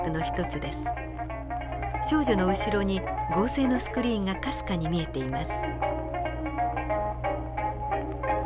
少女の後ろに合成のスクリーンがかすかに見えています。